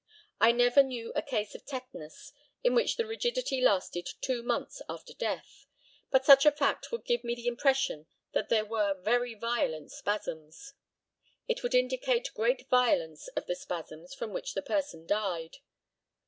I never knew a case of tetanus in which the rigidity lasted two months after death; but such a fact would give me the impression that there were very violent spasms. It would indicate great violence of the spasms from which the person died.